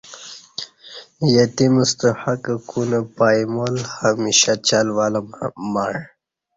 یتیم ستہ حق کونہ پائمال ہمیشہ چل ول مع